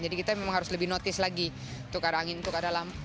jadi kita memang harus lebih notice lagi untuk angin untuk lampu